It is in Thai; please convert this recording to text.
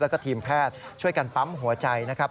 แล้วก็ทีมแพทย์ช่วยกันปั๊มหัวใจนะครับ